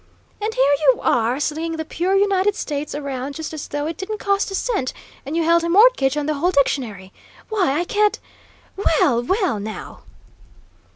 "And here you are, slinging the pure United States around just as though it didn't cost a cent, and you held a mortgage on the whole dictionary! Why, I can't well, well, now!"